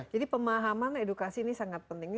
jadi pemahaman edukasi ini sangat penting